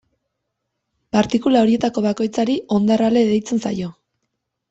Partikula horietako bakoitzari hondar-ale deitzen zaio.